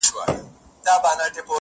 ماته شجره یې د نژاد او نصب مه راوړئ,